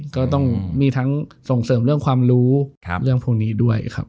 ก็ต้องมีทั้งส่งเสริมเรื่องความรู้เรื่องพวกนี้ด้วยครับ